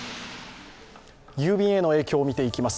郵便への影響を見ていきます。